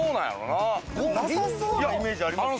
なさそうなイメージありますよね。